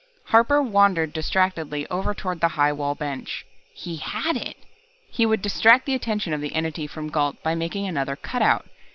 Harper wandered distractedly over toward the high wall bench. He had it! He would distract the attention of the Entity from Gault by making another cutout.